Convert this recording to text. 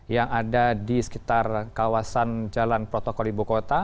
yang ada di sekitar kawasan jalan protokol ibu kota